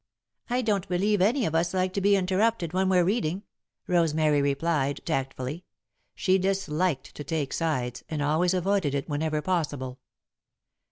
"I don't believe any of us like to be interrupted when we're reading," Rosemary replied, tactfully. She disliked to "take sides," and always avoided it whenever possible.